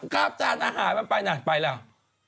ครับจานอาหารไปนะไปแล้ว